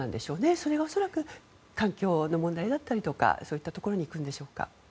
それは恐らく環境の問題だったりとかそういったところにいくんでしょうか。